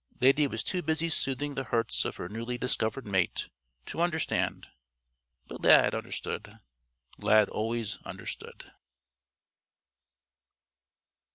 Lady was too busy soothing the hurts of her newly discovered mate to understand. But Lad understood. Lad always understood.